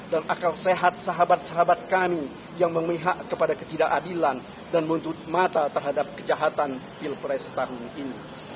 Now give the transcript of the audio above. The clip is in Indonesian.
dan akal sehat sahabat sahabat kami yang memihak kepada ketidakadilan dan mentut mata terhadap kejahatan pilpres tahun ini